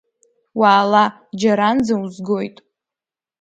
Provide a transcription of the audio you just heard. Уаала, џьаранӡа узгоит…